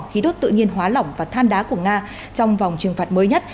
khí đốt tự nhiên hóa lỏng và than đá của nga trong vòng trừng phạt mới nhất